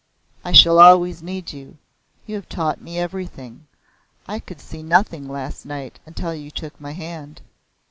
"I shall always need you. You have taught me everything. I could see nothing last night until you took my hand."